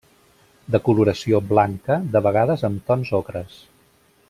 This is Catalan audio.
De coloració blanca, de vegades amb tons ocres.